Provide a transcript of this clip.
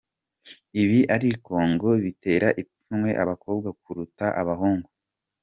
Ibi ariko ngo bitera ipfunwe abakobwa kuruta abahungu.